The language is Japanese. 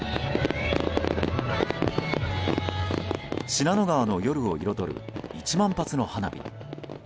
信濃川の夜を彩る１万発の花火。